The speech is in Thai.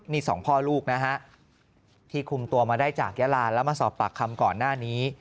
นี่สองพ่อลูกนะฮะที่คุมตัวมาได้จากยาลาแล้วมาสอบปากคำก่อนหน้านี้